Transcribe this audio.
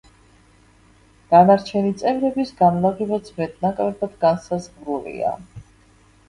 დანარჩენი წევრების განლაგებაც მეტ-ნაკლებად განსაზღვრულია.